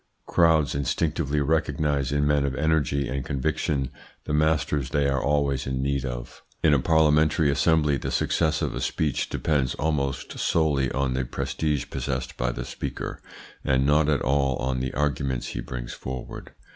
Crowds instinctively recognise in men of energy and conviction the masters they are always in need of. In a parliamentary assembly the success of a speech depends almost solely on the prestige possessed by the speaker, and not at all on the arguments he brings forward.